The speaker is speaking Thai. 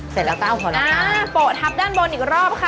เสร็จแล้วก็เอาพอแล้วมาโปะทับด้านบนอีกรอบค่ะ